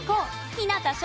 日向翔